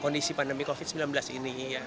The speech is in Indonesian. kondisi pandemi covid sembilan belas ini